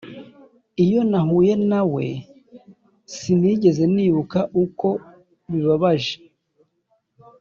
iyo nahuye nawe, sinigeze nibuka uko bibabaje.